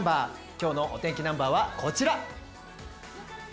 今日のお天気ナンバーはこちら！